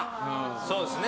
そうですね。